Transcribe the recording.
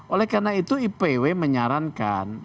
oleh karena itu ipw menyarankan